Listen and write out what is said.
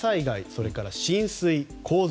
それから浸水、洪水。